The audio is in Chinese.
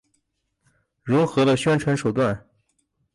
融合了宣传手段。